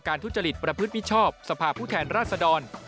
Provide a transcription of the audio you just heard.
ทุจริตประพฤติมิชชอบสภาพผู้แทนราชดร